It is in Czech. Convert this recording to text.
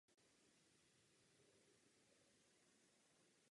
Stejně úspěšný je i Fangio o par metru dále.